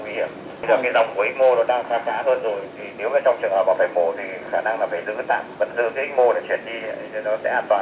bây giờ cái dòng của ảnh mô nó đang xa xã hơn rồi thì nếu mà trong trường hợp bảo vệ mổ thì khả năng là phải giữ tạm vận dựng cái ảnh mô để chuyển đi thì nó sẽ an toàn hơn